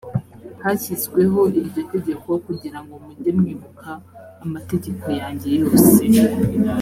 hashyizweho iryo tegeko kugira ngo mujye mwibuka amategeko yanjye yose